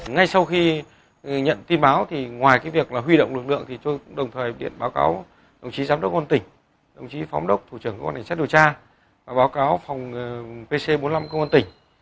ngay sau khi nhận tin báo thì ngoài cái việc là huy động lực lượng thì tôi đồng thời điện báo cáo đồng chí giám đốc công an tỉnh đồng chí phóng đốc thủ trưởng các quan hệ xét điều tra và báo cáo phòng pc bốn mươi năm công an tỉnh